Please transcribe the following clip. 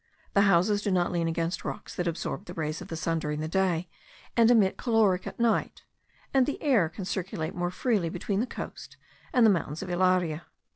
The houses do not lean against rocks that absorb the rays of the sun during the day, and emit caloric at night, and the air can circulate more freely between the coast and the mountains of Ilaria.